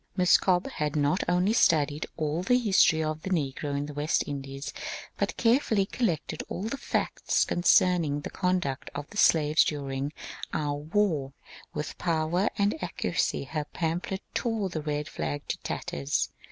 Miss Cobbe had not only studied all the history of the negro in the West Indies, but carefully collected all the facts concerning the conduct of the slaves during our war ; with power and accuracy her pamphlet tore the red flag to tatters.